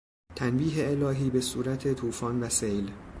تنبیه الهی به صورت توفان و سیل